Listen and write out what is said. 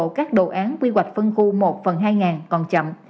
và các đồ án quy hoạch phân khu một phần hai ngàn còn chậm